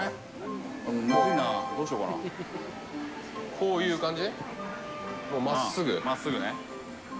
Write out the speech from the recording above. こういう感じ？